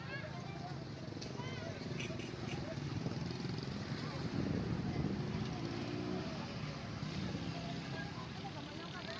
pasca gempa di pulau mendazore